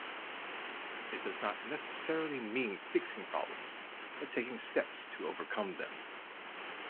It does not necessarily mean fixing problems but taking steps to overcome them.